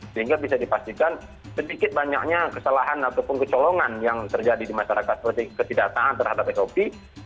sehingga bisa dipastikan sedikit banyaknya kesalahan ataupun kecolongan yang terjadi di masyarakat ketidaktaan terhadap covid sembilan belas